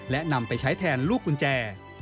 และนำไปใช้แทนลูกกุญแจ